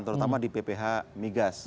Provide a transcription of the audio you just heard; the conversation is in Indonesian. terutama di bph migas